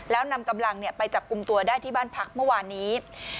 แล้วนำกำลังไปจับกลุ่มตัวได้ที่บ้านพักเมื่อวานนี้